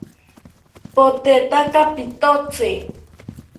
Potetaka pitotzi